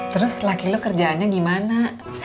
terus laki lu kerjaannya gimana